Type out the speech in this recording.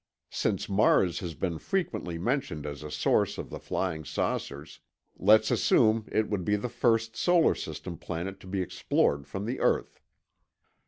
Since Mars has been frequently mentioned as a source of the flying saucers, let's assume it would be the first solar system planet to be explored from the earth.